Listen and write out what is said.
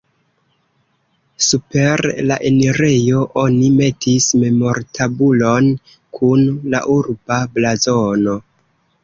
Super la enirejo oni metis memortabulon kun la urba blazono.